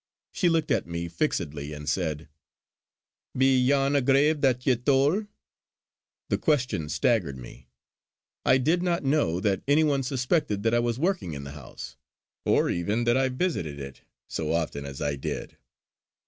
She looked at me fixedly and said: "Be yon a grave that ye thole?" The question staggered me. I did not know that any one suspected that I was working in the house, or even that I visited it so often as I did.